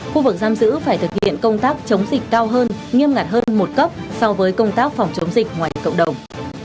khu vực giam giữ phải thực hiện công tác chống dịch cao hơn nghiêm ngặt hơn một cấp so với công tác phòng chống dịch ngoài cộng đồng